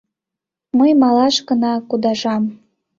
— Мый малаш гына кудашам.